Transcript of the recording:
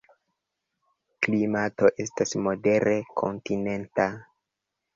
Klimato estas modere kontinenta.